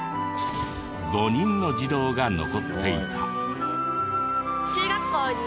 ５人の児童が残っていた。